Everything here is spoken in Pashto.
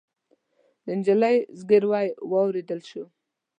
د نجلۍ زګيروی واورېدل شو.